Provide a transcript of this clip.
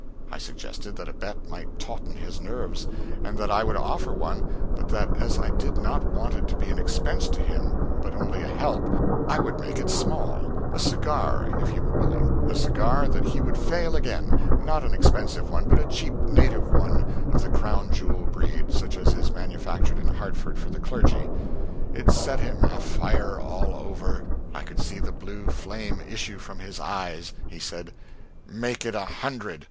I suggested that a bet might tauten his nerves, and that I would offer one, but that as I did not want it to be an expense to him, but only a help, I would make it small a cigar, if he were willing a cigar that he would fail again; not an expensive one, but a cheap native one, of the Crown Jewel breed, such as is manufactured in Hartford for the clergy. It set him afire all over! I could see the blue flame issue from his eyes. He said, "Make it a hundred!